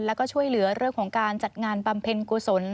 แล้วก็ช่วยเหลือเรื่องของการจัดงานบำเพ็ญกุศล